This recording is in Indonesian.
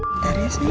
bentar ya sayang